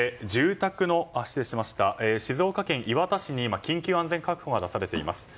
静岡県磐田市に緊急安全確保が出されています。